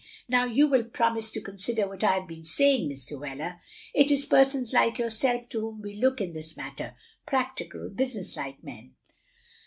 Now you will promise to con sider what I have been saying, Mr. Wheler. It is persons like yourself to whom we look in this matter. Practical business like men."